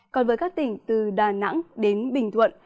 còn với các tỉnh từ đà nẵng đến bình thuận